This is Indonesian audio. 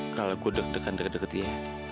kalau aku dekan dekan dekat dia